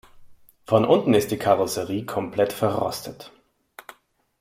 Von unten ist die Karosserie komplett verrostet.